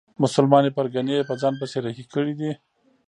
مسلمانې پرګنې یې په ځان پسې رهي کړي دي.